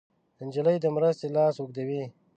نجلۍ د مرستې لاس اوږدوي.